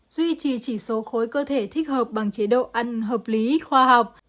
duy trì chỉ số khối cơ thể thích hợp bằng chế độ ăn hợp lý khoa học